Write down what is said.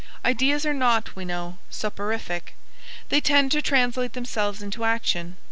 Ideas are not, we know, soporific. They tend to translate themselves into action.